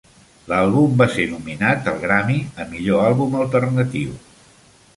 L'àlbum va ser nominat al Grammy a millor àlbum alternatiu.